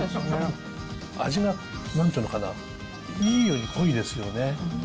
味が、なんていうのかな、いいように濃いですよね。